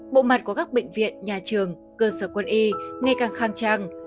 bộ mặt của các bệnh viện nhà trường cơ sở quân y ngày càng khang trang